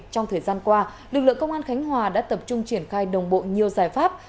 trong thời gian qua lực lượng công an khánh hòa đã tập trung triển khai đồng bộ nhiều giải pháp